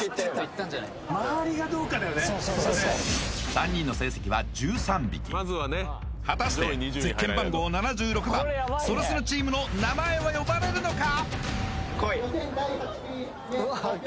３人の成績は１３匹果たしてゼッケン番号７６番それスノチームの名前は呼ばれるのか！？